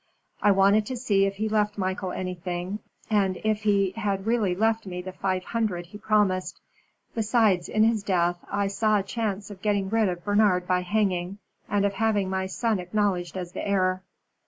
I wanted to see if he left Michael anything, and if he had really left me the five hundred he promised. Besides, in his death, I saw a chance of getting rid of Bernard by hanging, and of having my son acknowledged as the heir."